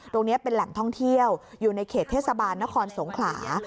ตรงนี้เป็นแหล่งท่องเที่ยวอยู่ในเขตเทศบาลนครสงขลา